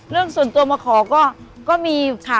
เรื่องส่วนตัวมาขอก็มีค่ะ